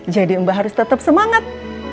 jadi mbak harus tetap semangat